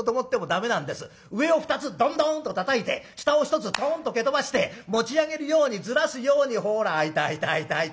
上を２つドンドンとたたいて下を１つトンと蹴飛ばして持ち上げるようにずらすようにほら開いた開いた開いた開いた。